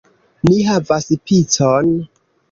Ni havas picon!